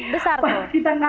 berapa besar tuh